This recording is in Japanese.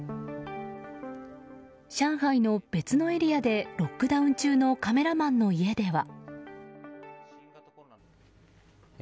上海の別のエリアでロックダウン中のカメラマンの家では。